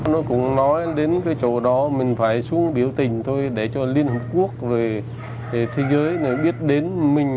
nó cũng nói đến cái chỗ đó mình phải xuống biểu tình tôi để cho liên hợp quốc rồi thế giới biết đến mình